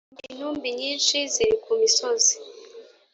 intumbi nyinshi ziri ku misozi